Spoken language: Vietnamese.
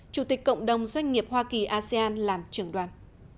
chủ tịch cộng đồng doanh nghiệp hoa kỳ asean làm trưởng đoàn